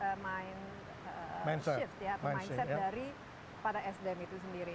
dari pada sdm itu sendiri